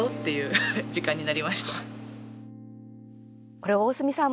これ大隅さん